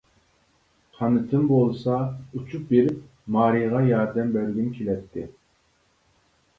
قانىتىم بولسا ئۇچۇپ بېرىپ، مارىغا ياردەم بەرگۈم كېلەتتى.